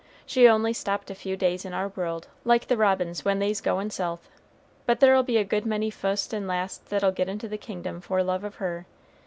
She only stopped a few days in our world, like the robins when they's goin' south; but there'll be a good many fust and last that'll get into the kingdom for love of her.